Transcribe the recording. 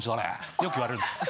よく言われるんですよ。